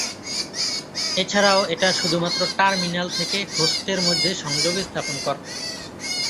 এছাড়াও এটা শুধুমাত্র টার্মিনাল থেকে হোস্টের মধ্যে সংযোগ স্থাপন করত।